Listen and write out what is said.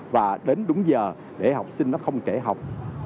và đến đúng giờ để học sinh nó không kể học